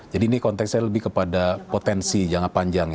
jadi ini konteksnya lebih kepada potensi jangka panjang